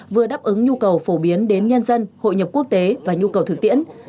vừa đáp ứng nhu cầu phổ biến đến nhân dân hội nhập quốc tế và nhu cầu thực tiễn